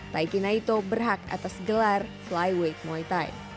taiki naito berhak atas gelar flyweight muay thai